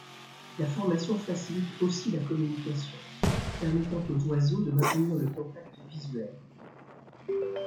La formation facilite aussi la communication, permettant aux oiseaux de maintenir le contact visuel.